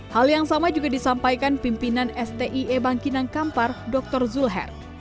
hal yang sama juga disampaikan pimpinan sti ebang kinang kampar dr zulher